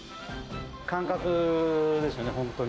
感覚ですよね、本当に。